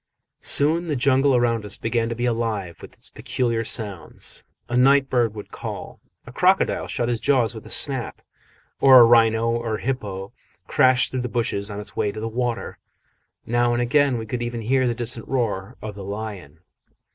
Soon the jungle around us began to be alive with its peculiar sounds a night bird would call, a crocodile shut his jaws with a snap, or a rhino or hippo crash through the bushes on its way to the water: now and again we could even hear the distant roar of the lion.